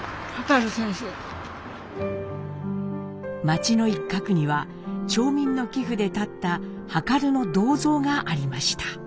町の一角には町民の寄付で建った量の銅像がありました。